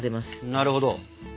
なるほど。